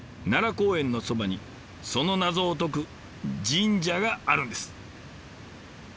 奈良公園のそばにその謎を解く神社があるんです。